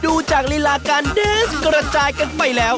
ดูจากภาคลาสกรรตรายออกไปแล้ว